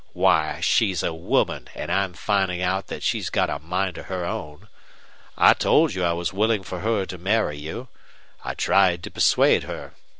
Why, she's a woman, and I'm finding out that she's got a mind of her own. I told you I was willing for her to marry you. I tried to persuade her.